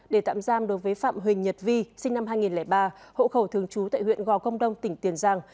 để tạm giam đối với phạm huỳnh nhật vi sinh năm hai nghìn ba hộ khẩu thường trú tại huyện gò công đông tỉnh tiền giang